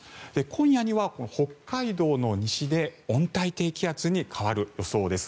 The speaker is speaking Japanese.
今夜には北海道の西で温帯低気圧に変わる予想です。